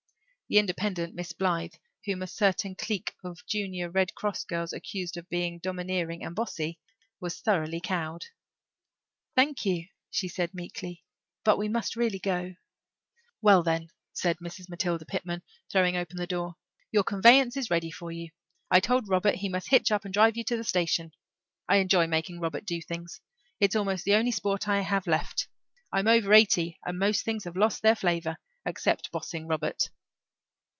The independent Miss Blythe, whom a certain clique of Junior Red Cross girls accused of being domineering and "bossy," was thoroughly cowed. "Thank you," she said meekly, "but we must really go." "Well, then," said Mrs. Matilda Pitman, throwing open the door, "your conveyance is ready for you. I told Robert he must hitch up and drive you to the station. I enjoy making Robert do things. It's almost the only sport I have left. I'm over eighty and most things have lost their flavour except bossing Robert."